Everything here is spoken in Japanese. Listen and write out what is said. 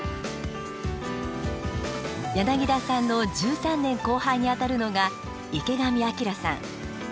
柳田さんの１３年後輩にあたるのが池上彰さん。